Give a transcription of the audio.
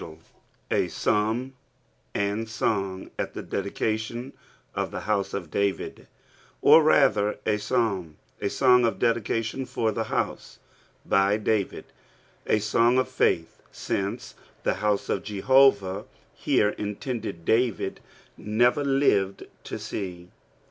— A Psalm and Song at ihe DedicatJon of fhe House of David ; or raSitr, A pHdm; a tteng of Dedication for the Haose, By David. A aoni} <^ faWi sinet the house of Jdiovah, here intmded, David never lived to see.